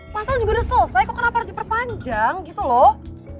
pasal juga udah selesai kok kenapa harus diperpanjang gitu loh